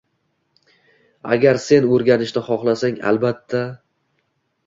— Agar sen o‘rganishni xohlasang, albatta.